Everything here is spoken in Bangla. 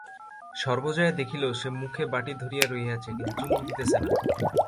সর্বজয়া দেখিল সে মুখে বাটি ধরিয়া রহিয়াছে কিন্তু চুমুক দিতেছে না।